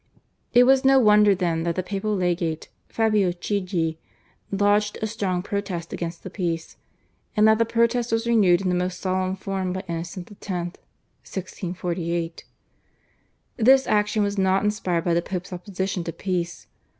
It was no wonder then that the papal legate Fabio Chigi lodged a strong protest against the Peace, and that the protest was renewed in the most solemn form by Innocent X. (1648). This action was not inspired by the Pope's opposition to peace.